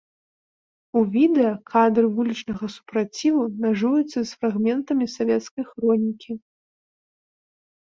У відэа кадры вулічнага супраціву мяжуюцца з фрагментамі савецкай хронікі.